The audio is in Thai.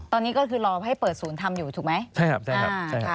ตอนนี้ก็คือรอให้เปิดศูนย์ทำอยู่ถูกไหมใช่ครับ